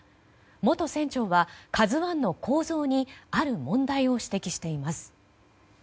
元船長は「ＫＡＺＵ１」の構造にある問題を指摘しています。